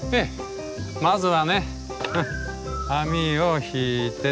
まずはね網を敷いてと。